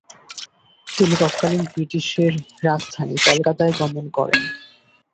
তিনি তৎকালীন ব্রিটিশের রাজধানী কলকাতায় গমন করেন।